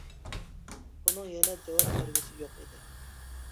ئۇنىڭ يەنە جاۋاب بەرگۈسى يوق ئىدى.